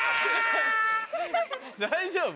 大丈夫？